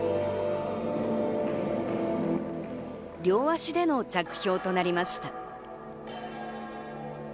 両足での着氷となりました。